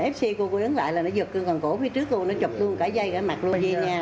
fc cô ấy ấn lại là nó giật cơ quan cổ phía trước cô nó chọc luôn cả dây cả mặt luôn